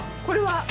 これは。